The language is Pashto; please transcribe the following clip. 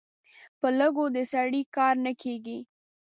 په لږو د سړي کار نه کېږي.